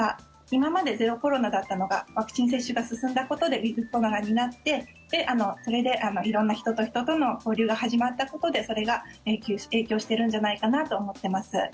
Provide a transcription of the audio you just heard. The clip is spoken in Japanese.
今までゼロコロナだったのがワクチン接種が進んだことでウィズコロナになってそれで、色んな人と人との交流が始まったことでそれが影響しているんじゃないかなと思っています。